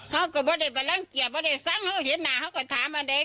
เขาก็ไม่ได้บรรลังเกียจไม่ได้สร้างเขาก็เห็นอ่ะเขาก็ถามอ่ะได้